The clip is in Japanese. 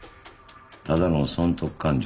ただの損得勘定